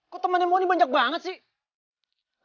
kok temannya moni banyak banget sih